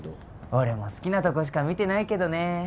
俺も好きなとこしか見てないけどね。